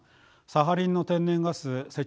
サハリンの天然ガス石油